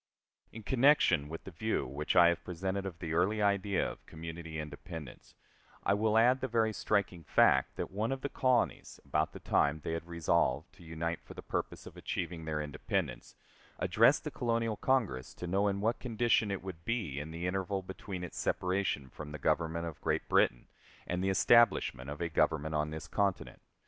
In connection with the view which I have presented of the early idea of community independence, I will add the very striking fact that one of the colonies, about the time they had resolved to unite for the purpose of achieving their independence, addressed the Colonial Congress to know in what condition it would be in the interval between its separation from the Government of Great Britain and the establishment of a government on this continent.